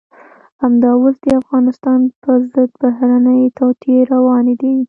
همدا اوس د افغانستان په ضد بهرنۍ توطئې روانې دي.